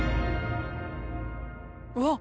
うわっ！